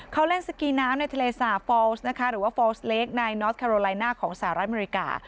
เขาเล่นสกีน้ำในทะเลสาฟอลส์นะคะหรือว่าฟอลสเล็กนายนอสคาโรไลน่าของสหรัฐอเมริกา